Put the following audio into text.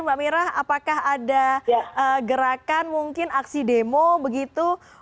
mbak mira apakah ada gerakan mungkin aksi demo begitu